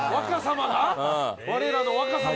われらの若様が。